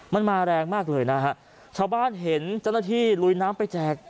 มันมาแรงมากเลยนะฮะชาวบ้านเห็นเจ้าหน้าที่ลุยน้ำไปแจก